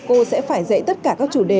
cô sẽ phải dạy tất cả các chủ đề